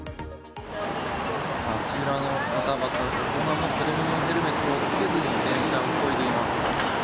あちらの方々、大人も子供もヘルメットを着けずに自転車をこいでいます。